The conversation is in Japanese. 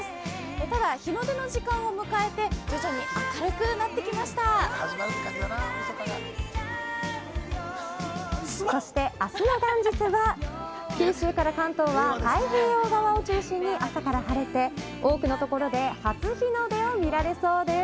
ただ、日の出の時間を迎えてそして明日の元日は九州から関東は太平洋側を中心に朝から晴れて、多くの所で初日の出を見られそうです。